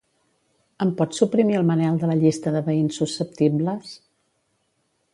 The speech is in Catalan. Em pots suprimir el Manel de la llista de veïns susceptibles?